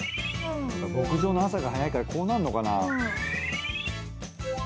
牧場の朝が早いからこうなんのかな。